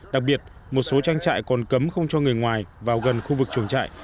đặc biệt một số trang trại còn cấm không cho người ngoài vào gần khu vực chuồng trại